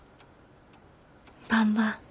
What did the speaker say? ばんば。